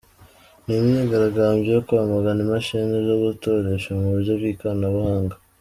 Ni imyigaragambyo yo kwamagana imashini zo gutoresha mu buryo bw’ikoranabuhanga.